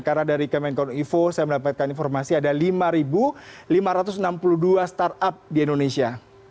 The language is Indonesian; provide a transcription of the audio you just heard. karena dari kemenkon ivo saya mendapatkan informasi ada lima lima ratus enam puluh dua startup di indonesia